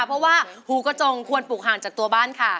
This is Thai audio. เพราะว่าหูกระจงควรปลูกห่างจากตัวบ้านค่ะ